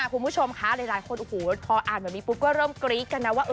คุณผู้ชมคะหลายคนโอ้โหพออ่านแบบนี้ปุ๊บก็เริ่มกรี๊ดกันนะว่า